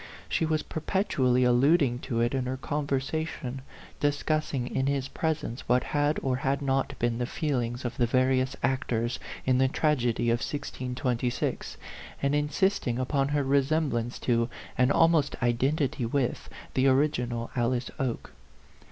She was perpetually alluding to it in her conversa tion, discussing in his presence what had or had not been the feelings of the various ac tors in the tragedy of 1626, and insisting upon her resemblance to, and almost identity with, the original Alice Oke.